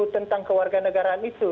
tentang kewarganegaraan itu